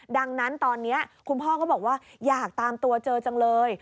ดังนั้นตอนนี้คุณพ่อก็บอกว่าอยากตามตัวเจอจังเลย